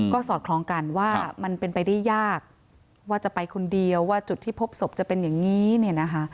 ก็สอดคล้องกันว่ามันเป็นไปได้ยากว่าจะไปคนเดียวว่าจุดที่พบศพจะเป็นอย่างนี้เนี่ยนะคะ